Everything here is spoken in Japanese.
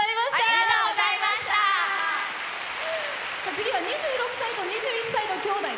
次は２６歳と２１歳のきょうだい。